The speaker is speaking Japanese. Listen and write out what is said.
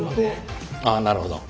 ああなるほど。